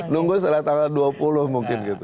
nunggu setelah tanggal dua puluh mungkin gitu